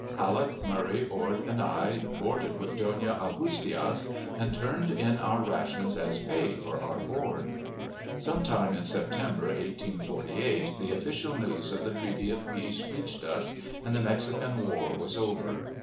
Halleck, Murray, Ord, and I, boarded with Dona Augustias, and turned in our rations as pay for our board. Some time in September, 1848, the official news of the treaty of peace reached us, and the Mexican War was over.